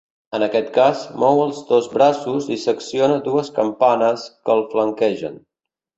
En aquest cas, mou els dos braços i s'acciona dues campanes que el flanquegen.